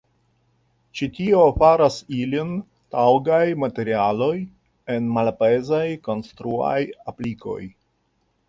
Ĉi tio faras ilin taŭgaj materialoj en malpezaj konstruaj aplikoj.